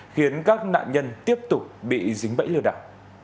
khiến các nạn nhân tiếp tục bị dính bẫy lừa đảo